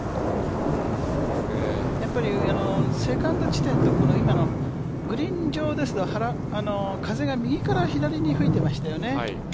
セカンド地点で、グリーン上ですと風が右から左に吹いていましたよね。